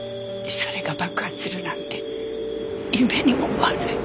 それが爆発するなんて夢にも思わない。